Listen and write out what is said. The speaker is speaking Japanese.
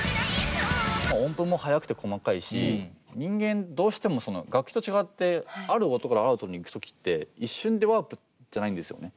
音符も速くて細かいし人間どうしても楽器と違ってある音からある音に行く時って一瞬でワープじゃないんですよね。